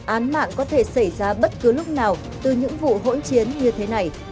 án mạng có thể xảy ra bất cứ lúc nào từ những vụ hỗn chiến như thế này